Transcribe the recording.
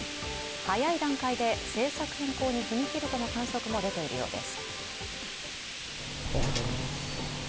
早い段階で政策変更に踏み切るとの観測も出ているようです。